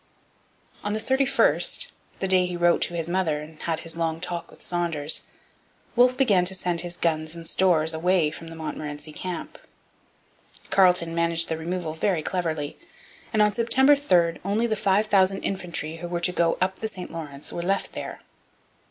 On the 31st, the day he wrote to his mother and had his long talk with Saunders, Wolfe began to send his guns and stores away from the Montmorency camp. Carleton managed the removal very cleverly; and on September 3 only the five thousand infantry who were to go up the St Lawrence were left there.